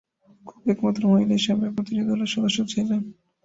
Cook একমাত্র মহিলা হিসেবে প্রতিটি দলের সদস্য ছিলেন।